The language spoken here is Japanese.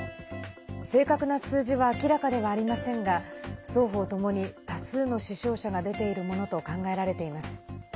正確な数字は明らかではありませんが双方ともに、多数の死傷者が出ているものと考えられています。